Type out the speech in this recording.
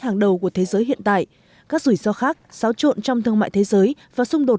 hàng đầu của thế giới hiện tại các rủi ro khác xáo trộn trong thương mại thế giới và xung đột